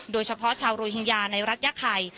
โดยเฉพาะชาวโรฮิงญาในรัฐยาไข่